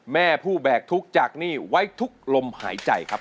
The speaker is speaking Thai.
แม่ผู้แบกทุกข์จากหนี้ไว้ทุกลมหายใจครับ